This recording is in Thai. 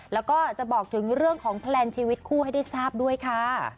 แล้วก็จะบอกถึงเรื่องของแพลนชีวิตคู่ให้ได้ทราบด้วยค่ะ